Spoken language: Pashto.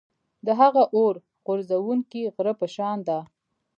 د هغه اور غورځوونکي غره په شان ده.